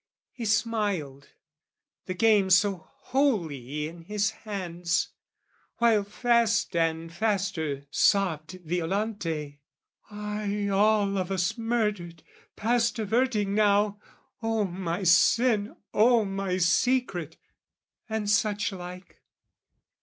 He smiled, the game so wholly in his hands! While fast and faster sobbed Violante "Ay, "All of us murdered, past averting now! "O my sin, O my secret!" and such like.